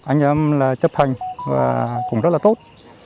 anh em là chấp hành và cũng rất là tốt